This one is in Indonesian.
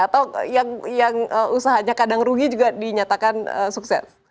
atau yang usahanya kadang rugi juga dinyatakan sukses